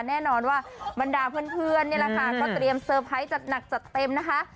แน่นอนว่าบรรดาเพื่อนนี่แหละค่ะก็เตรียมเซอร์ไพรส์จัดหนักจัดเต็มนะคะ